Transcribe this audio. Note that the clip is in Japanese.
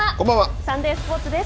サンデースポーツです。